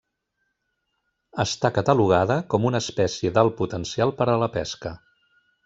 Està catalogada com una espècie d'alt potencial per a la pesca.